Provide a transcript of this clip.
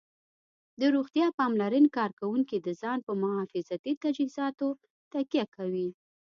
د روغتیا پاملرنې کارکوونکي د ځان په محافظتي تجهیزاتو تکیه کوي